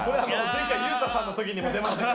前回裕太さんの時にも出ましたけど。